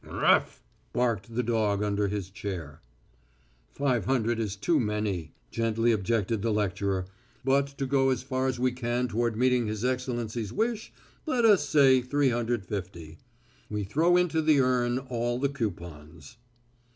"Reff," barked the dog under his chair. "Five hundred is too many," gently objected the lecturer, "but to go as far as we can towards meeting his Excellency's wish let us say 350. We throw into the urn all the coupons."